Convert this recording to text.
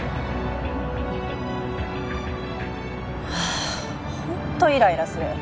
あー本当イライラする。